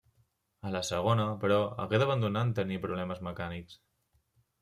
A la segona, però, hagué d'abandonar en tenir problemes mecànics.